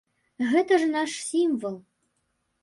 Гэта ж наш сімвал.